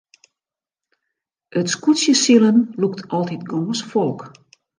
It skûtsjesilen lûkt altyd gâns folk.